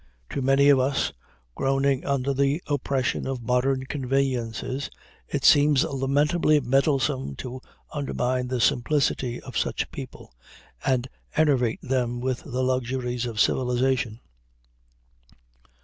To many of us, groaning under the oppression of modern conveniences, it seems lamentably meddlesome to undermine the simplicity of such people, and enervate them with the luxuries of civilization.